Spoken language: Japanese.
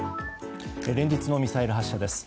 連日のミサイル発射です。